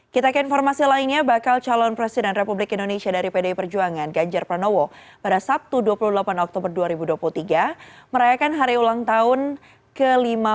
kita ke informasi lainnya bakal calon presiden republik indonesia dari pdi perjuangan ganjar pranowo pada sabtu dua puluh delapan oktober dua ribu dua puluh tiga merayakan hari ulang tahun ke lima puluh